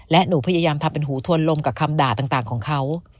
และหนูพยายามทำเป็นหูทวนลมกับคำด่าต่างของเขา